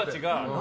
何？